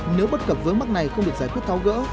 nếu bất cập vướng mắc này không được giải quyết tháo gỡ